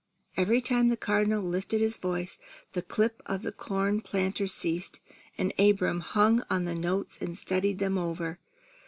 Every time the Cardinal lifted his voice, the clip of the corn planter ceased, and Abram hung on the notes and studied them over.